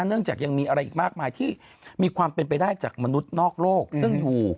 เนื่องจากยังมีอะไรอีกมากมายที่มีความเป็นไปได้จากมนุษย์นอกโลกซึ่งอยู่